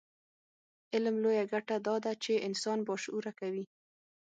علم لویه ګټه دا ده چې انسان باشعوره کوي.